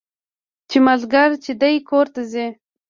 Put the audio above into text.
چې مازديګر چې دى کور ته ځي.